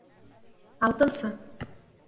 Алтынсы